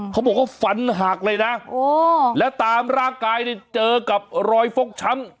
เขาบอกว่าฟันหักเลยนะแล้วตามร่างกายนี่เจอกับรอยฟกช้ำ